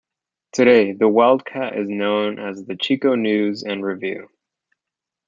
Today, "The Wildcat" is known as the "Chico News and Review".